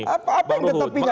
apa yang tetapinya